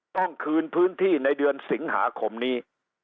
ต้องคืนพื้นที่ในเดือนสิงหาคมนี้